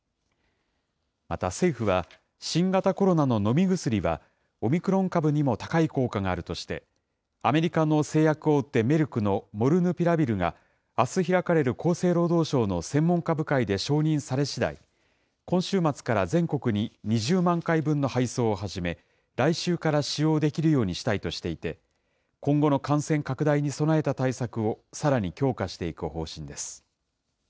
また政府は、新型コロナの飲み薬は、オミクロン株にも高い効果があるとして、アメリカの製薬大手、メルクのモルヌピラビルが、あす開かれる厚生労働省の専門家部会で承認されしだい、今週末から全国に２０万回分の配送を始め、来週から使用できるようにしたいとしていて、今後の感染拡大に備えた対策を、さらに強化していく方針です。